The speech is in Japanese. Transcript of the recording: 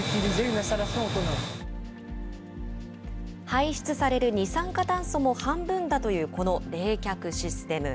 排出される二酸化炭素も半分だというこの冷却システム。